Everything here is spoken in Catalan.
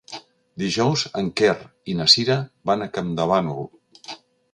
Dijous en Quer i na Sira van a Campdevànol.